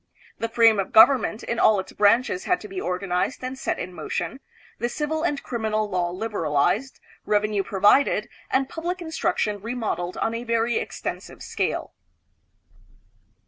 The frame of government in all its branches had to be organized and set in motion, the civil and crim inal law liberalized, revenue provided, and public instruc tion remodeled on a very extensive scale.